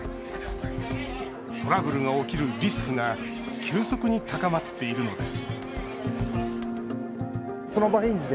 トラブルが起きるリスクが急速に高まっているのです